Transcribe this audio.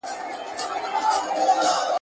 تابلوګاني، قندیلونه ساعتونه..